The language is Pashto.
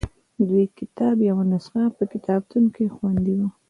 د دې کتاب یوه نسخه په کتابتون کې خوندي وه.